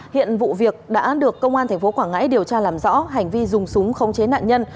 hiện vụ việc đã được công an tp quảng ngãi điều tra làm rõ hành vi dùng súng khống chế nạn nhân